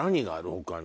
他に。